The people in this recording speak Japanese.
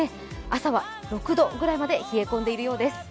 朝は６度ぐらいまで冷え込んでいるようです。